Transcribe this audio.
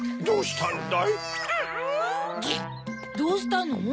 どうしたの？